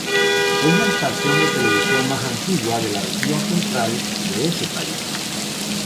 Es la estación de televisión más antigua de la región central de ese país.